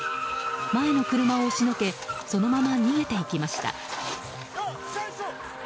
前の車を押しのけそのまま逃げていきました。